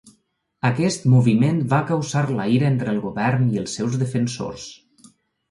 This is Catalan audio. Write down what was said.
Aquest moviment va causar la ira entre el govern i els seus defensors.